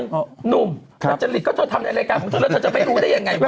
หนุ่มจริตก็เธอทำในรายการของเธอแล้วเธอจะไม่รู้ได้ยังไงวะ